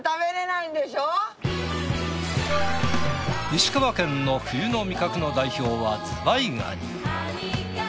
石川県の冬の味覚の代表はズワイガニ。